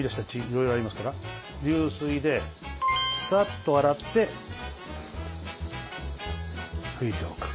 いろいろありますから流水でさっと洗って拭いておく。